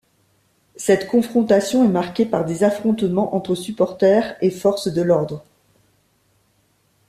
Cette confrontation est marquée par des affrontements entre supporters et forces de l'ordre.